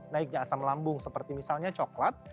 naiknya asam lambung seperti misalnya coklat